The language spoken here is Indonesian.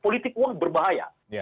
politik uang berbahaya